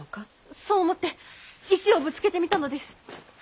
そう思って石をぶつけてみたのです。